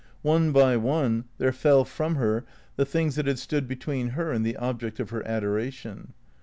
One by one there fell from her the things that had stood between her and the object of her adoration.